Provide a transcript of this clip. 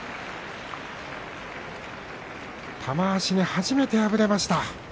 玉鷲に初めて敗れました。